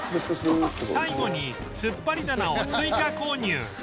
最後に突っ張り棚を追加購入